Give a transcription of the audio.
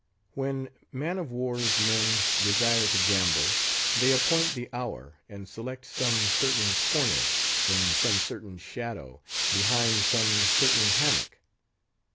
When man of war's men desire to gamble, they appoint the hour, and select some certain corner, in some certain shadow, behind some certain hammock.